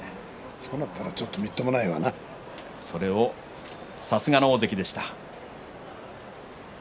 そうだったら、ちょっとさすがの大関でした。